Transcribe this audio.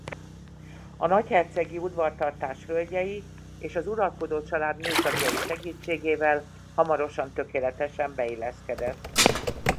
A nagyhercegi udvartartás hölgyei és az uralkodó család nőtagjai segítségével hamarosan tökéletesen beilleszkedett.